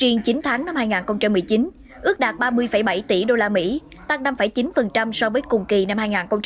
riêng chín tháng năm hai nghìn một mươi chín ước đạt ba mươi bảy tỷ usd tăng năm chín so với cùng kỳ năm hai nghìn một mươi tám